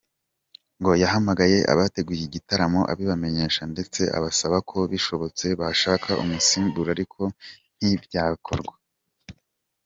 Ngo yahamagaye abateguye igitaramo abibamenyesha ndetse abasaba ko bishobotse bashaka umusimbura ariko ntibyakorwa.